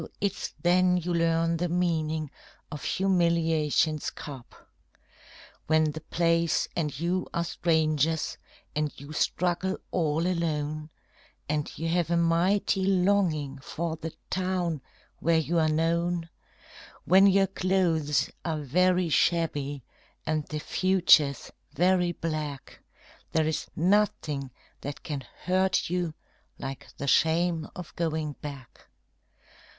it's then you learn the meaning of humiliation's cup. When the place and you are strangers and you struggle all alone, And you have a mighty longing for the town where you are known; When your clothes are very shabby and the future's very black, There is nothing that can hurt you like the shame of going back.